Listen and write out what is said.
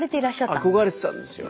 憧れてたんですよ。